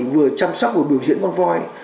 vừa chăm sóc và biểu diễn con voi